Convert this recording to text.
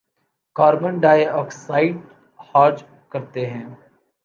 carbon dioxide خارج کرتے ہیں